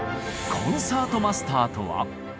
コンサートマスターとは？